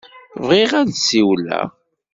Bɣiɣ ad d-ssiwleɣ.